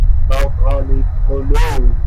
باقالی پلو